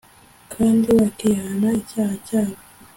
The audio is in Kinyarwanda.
kandi bakihana icyaha cyabo